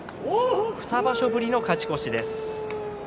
２場所ぶりの勝ち越しです。